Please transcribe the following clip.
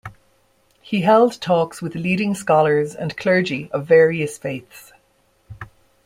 He held talks with leading scholars and clergy of various faiths.